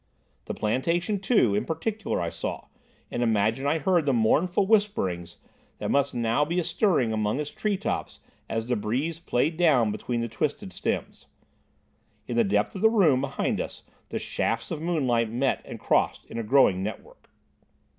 The plantation, too, in particular I saw, and imagined I heard the mournful whisperings that must now be a stirring among its tree tops as the breeze played down between the twisted stems. In the depth of the room behind us the shafts of moonlight met and crossed in a growing network.